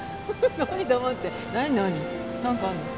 何かあるの？